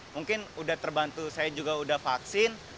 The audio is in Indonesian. mungkin sudah terbantu saya juga sudah vaksin